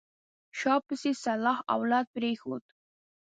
شا پسې صالح اولاد پرېښود.